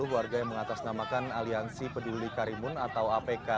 warga yang mengatasnamakan aliansi peduli karimun atau apk